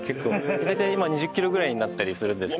大体今２０キロぐらいになったりするんですけど。